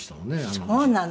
そうなの。